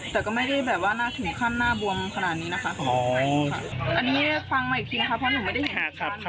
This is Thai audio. แต่ก็ไม่ได้แบบว่าน่าถึงขั้นหน้าบวมขนาดนี้นะคะ